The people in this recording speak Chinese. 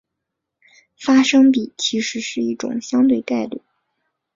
发生比其实是一种相对概率。